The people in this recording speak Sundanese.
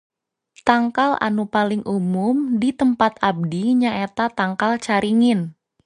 Tangkal anu paling umum di tempat abdi nyaeta tangkal caringin